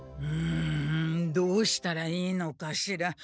うんどうしたらいいのかしら。